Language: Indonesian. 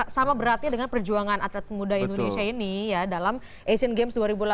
sama beratnya dengan perjuangan atlet muda indonesia ini ya dalam asian games dua ribu delapan belas